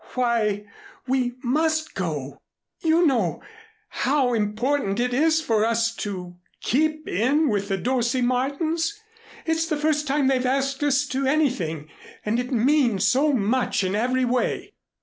Why, we must go. You know how important it is for us to keep in with the Dorsey Martins. It's the first time they've asked us to anything, and it means so much in every way."